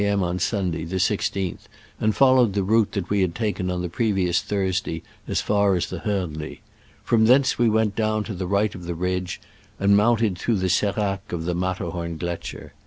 m. on Sunday, the 1 6th, and followed the route that we had taken on the previous Thursday as far as the Hornli. From thence we went down to the right of the ridge, and mounted through the seracs of the Mat terhomgletscher.